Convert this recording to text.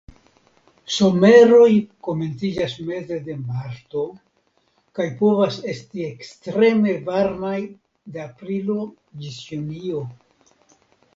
Someroj komenciĝas meze de marto kaj povas esti ekstreme varmaj de aprilo ĝis junio.